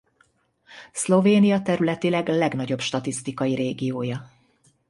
Szlovénia területileg legnagyobb statisztikai régiója.